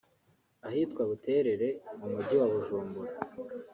Ahitwa Buterere mu mujyi wa Bujumbura